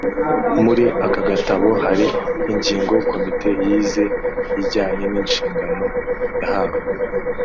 muri aka gatabo hari ingingo komite yize zijyanye n'inshingano yahawe